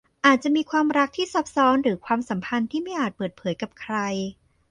อาจจะมีความรักที่ซับซ้อนหรือมีความสัมพันธ์ที่ไม่อาจเปิดเผยกับใคร